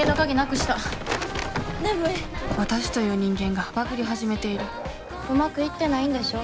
私という人間がバグり始めているうまくいってないんでしょ？